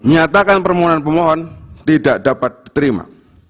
nyatakan permohonan pemohon tidak dapat diterima